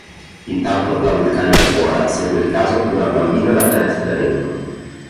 Intanto, la vulcanica suora segue il caso di una bambina data in affidamento.